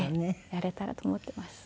やれたらと思ってます。